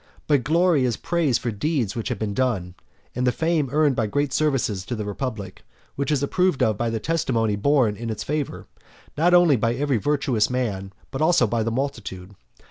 But glory is praise for deeds which have been done, and the fame earned by great services to the republic; which is approved of by the testimony borne in its favour, not only by every virtuous man, but also by the multitude.